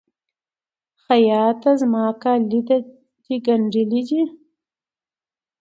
خیاطه! زما کالي د ګنډلي؟